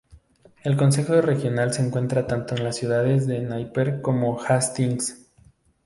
El Consejo regional se encuentra tanto en las ciudades de Napier como Hastings.